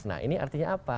nah ini artinya apa